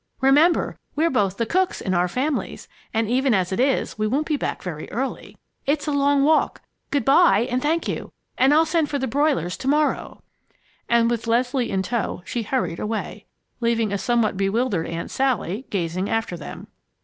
Remember, we're both the cooks in our families, and even as it is, we won't be back very early. It's a long walk. Good by, and thank you, and I'll send for the broilers to morrow!" And with Leslie in tow, she hurried away, leaving a somewhat bewildered Aunt Sally gazing after them.